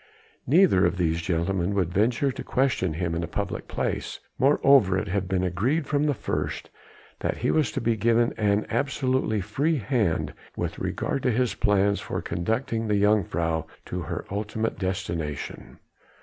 Neither of these gentlemen would venture to question him in a public place; moreover it had been agreed from the first that he was to be given an absolutely free hand with regard to his plans for conducting the jongejuffrouw to her ultimate destination.